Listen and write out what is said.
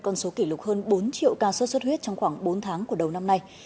con số kỷ lục hơn bốn triệu ca sốt xuất huyết trong khoảng bốn tháng của đầu năm nay